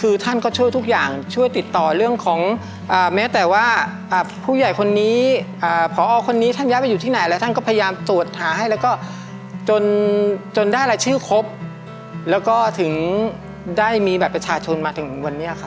คือท่านก็ช่วยทุกอย่างช่วยติดต่อเรื่องของแม้แต่ว่าผู้ใหญ่คนนี้พอคนนี้ท่านย้ายไปอยู่ที่ไหนแล้วท่านก็พยายามตรวจหาให้แล้วก็จนได้รายชื่อครบแล้วก็ถึงได้มีบัตรประชาชนมาถึงวันนี้ครับ